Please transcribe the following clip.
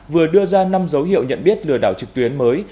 vừa đưa ra năm dấu hiệu nhận biết lừa đảo trực tuyến mới